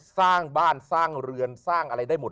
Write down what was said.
สร้างบ้านสร้างเรือนสร้างอะไรได้หมด